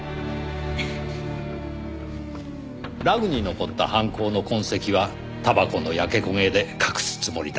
ラグに残った犯行の痕跡はたばこの焼け焦げで隠すつもりだった。